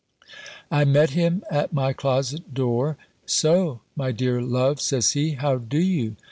I met him at my closet door. "So, my dear love," says he, "how do you?"